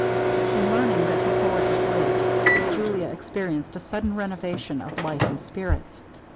In learning that Hippolitus lived, Julia experienced a sudden renovation of life and spirits.